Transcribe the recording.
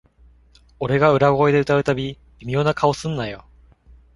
俺が裏声で歌うたび、微妙な顔すんなよ